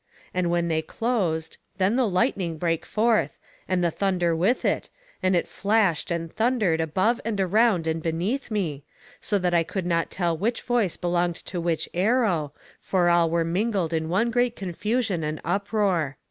And when they closed, then the lightning brake forth, and the thunder with it, and it flashed and thundered above and around and beneath me, so that I could not tell which voice belonged to which arrow, for all were mingled in one great confusion and uproar.